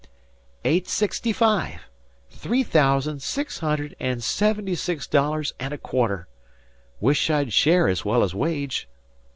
"Eight sixty five. Three thousand six hundred and seventy six dollars and a quarter. 'Wish I'd share as well as wage."